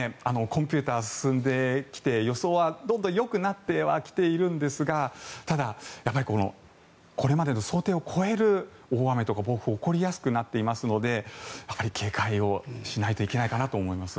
コンピューターが進んできて予想はどんどんよくなっては来ているんですがただ、やっぱりこれまでの想定を超える大雨とか暴風が起こりやすくなっていますのでやっぱり警戒をしないといけないかなと思います。